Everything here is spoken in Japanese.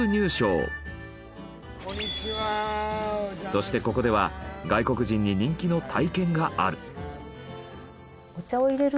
そしてここでは外国人に人気の体験がある。